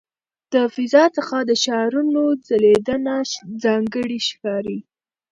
د فضا څخه د ښارونو ځلېدنه ځانګړې ښکاري.